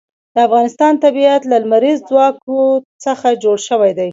د افغانستان طبیعت له لمریز ځواک څخه جوړ شوی دی.